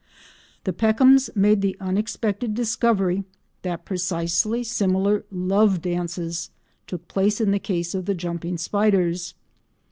The Peckhams made the unexpected discovery that precisely similar "love dances" took place in the case of the jumping spiders.